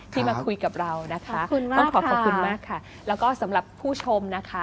มาคุยกับเรานะคะต้องขอขอบคุณมากค่ะแล้วก็สำหรับผู้ชมนะคะ